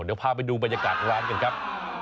เดี๋ยวพาไปดูบรรยากาศร้านกันครับ